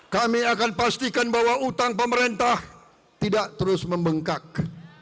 kami akan pastikan bahwa utang pemerintah tidak terus membengkak